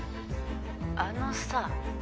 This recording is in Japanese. あのさ。